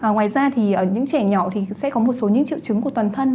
ngoài ra thì những trẻ nhỏ thì sẽ có một số những triệu chứng của toàn thân